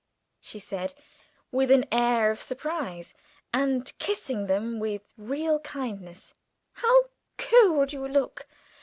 she said, with an air of surprise, and kissing them with real kindness. "How cold you look!